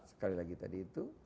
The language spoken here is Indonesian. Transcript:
sekali lagi tadi itu